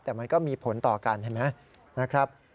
แต่มันก็มีผลต่อกันเห็นไหมนะครับ